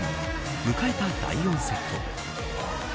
迎えた第４セット。